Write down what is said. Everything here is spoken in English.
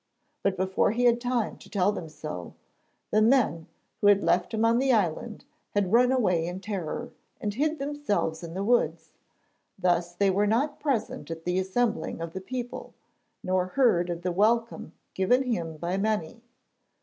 But before he had time to tell them so, the men who had left him on the island had run away in terror, and hid themselves in the woods; thus they were not present at the assembling of the people, nor heard of the welcome given him by many.